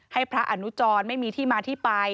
ให้พระอนุจรไม่มีที่มาที่ไป